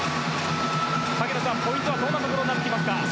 萩野さん、ポイントはどんなところになりますか？